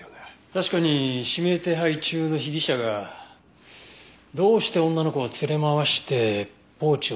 確かに指名手配中の被疑者がどうして女の子を連れ回してポーチを捜したりしたのか。